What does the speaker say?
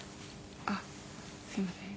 あっすいません。